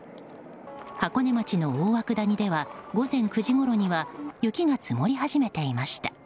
箱根町の大涌谷では午前９時ごろには雪が積もり始めていました。